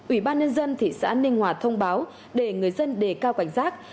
ủy ban nhân dân thị xã ninh hòa thông báo để người dân đề cao cảnh giác